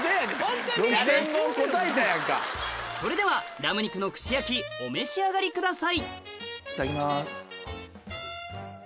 それではラム肉の串焼きお召し上がりくださいいただきます。